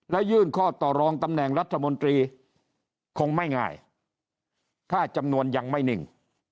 และยื่นข้อต่อรองตำแหน่งรัฐมนตรีคงไม่ง่ายถ้าจำนวนยังไม่นิ่ง